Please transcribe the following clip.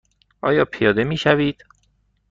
آیا پیاده می شوید؟